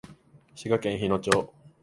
滋賀県日野町